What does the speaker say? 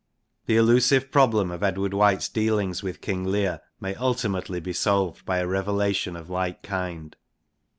The elusive problem of Edward White's dealings with King Leir may ultimately be solved by a revelation of like kind.